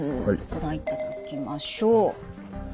ご覧いただきましょう。